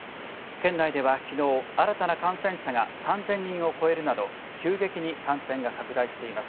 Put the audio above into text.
県内では、きのう新たな感染者が３０００人を超えるなど急激に感染が拡大しています。